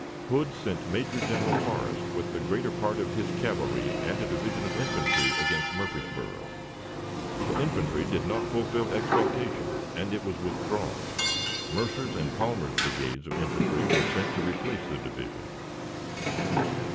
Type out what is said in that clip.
Hood sent Major General Forrest with the greater part of his cavalry and a division of infantry against Murfreesboro. The infantry did not fulfill expectation, and it was withdrawn. Mercer's and Palmer's brigades of infantry were sent to replace the division.